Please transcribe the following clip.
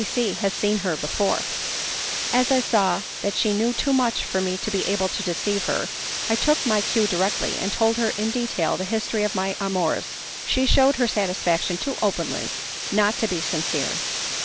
C C has seen her before." As I saw that she knew too much for me to be able to deceive her, I took my cue directly and told her in detail the history of my amours. She shewed her satisfaction too openly not to be sincere.